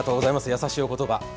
優しいお言葉。